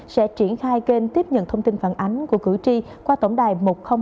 sẽ triển khai kênh tiếp nhận thông tin phản ánh của cử tri qua tổng đài một nghìn hai mươi hai